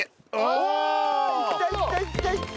いったいったいったいった！